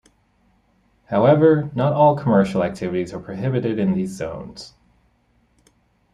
However, not all commercial activities are prohibited in these zones.